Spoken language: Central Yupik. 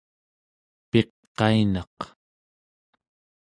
piqainaq